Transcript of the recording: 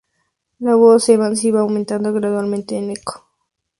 La voz de Evans iba aumentando gradualmente en eco.